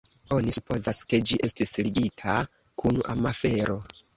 Oni supozas, ke ĝi estis ligita kun amafero.